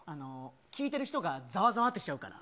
聞いてる人が、ざわざわってしちゃうから。